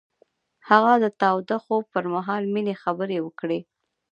هغه د تاوده خوب پر مهال د مینې خبرې وکړې.